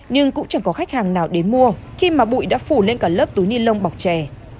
nhưng cũng chẳng có khách hàng nào đến mua khi mà bụi đã phủ lên cả lớp túi ni lông bọc chè